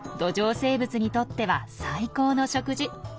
生物にとっては最高の食事。